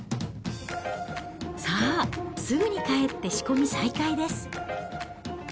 さあ、すぐに帰って仕込み再開です。